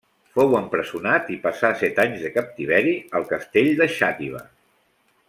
Fou empresonat i passà set anys de captiveri al Castell de Xàtiva.